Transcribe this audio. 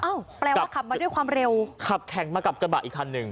แปลว่าขับมาด้วยความเร็วขับแข่งมากับกระบะอีกคันหนึ่ง